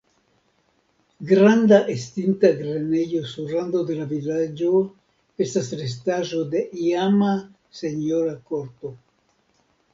Granda estinta grenejo sur rando de la vilaĝo estas restaĵo de iama senjora korto.